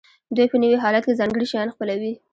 دوی په نوي حالت کې ځانګړي شیان خپلوي.